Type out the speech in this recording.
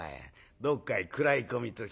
どっかへ食らい込みときてんだよね。